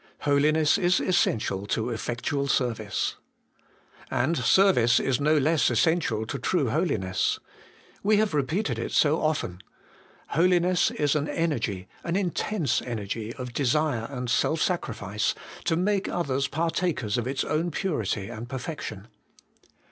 Holiness is essential to effectual service. And service is no less essential to true holiness. We have repeated it so often : Holiness is an energy, an intense energy of desire and self sacrifice, to make others partakers of its own purity and perfection.